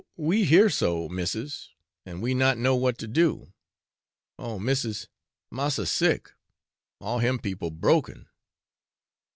we hear so, missis, and we not know what to do. Oh! missis, massa sick, all him people broken!'